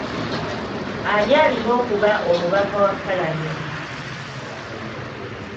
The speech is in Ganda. Ani alina okuba omubaka wa Paalamenti.